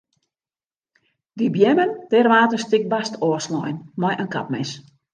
Dy beammen dêr waard in stikje bast ôfslein mei in kapmes.